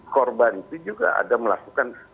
korban itu juga ada melakukan